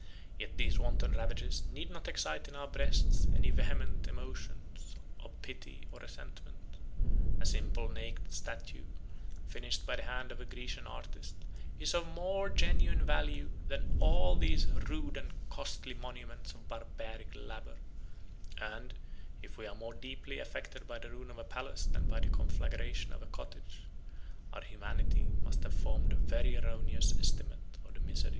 Yet these wanton ravages need not excite in our breasts any vehement emotions of pity or resentment. A simple, naked statue, finished by the hand of a Grecian artist, is of more genuine value than all these rude and costly monuments of Barbaric labor; and, if we are more deeply affected by the ruin of a palace than by the conflagration of a cottage, our humanity must have formed a very erroneous estimate of the miseries of human life.